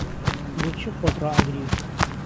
بۆچی خۆت ڕائەگری؟